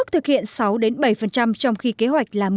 sáu bảy trong khi kế hoạch là một mươi